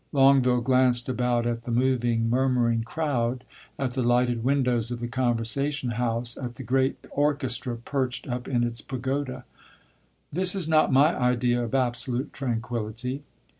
Longueville glanced about at the moving, murmuring crowd, at the lighted windows of the Conversation house, at the great orchestra perched up in its pagoda. "This is not my idea of absolute tranquillity."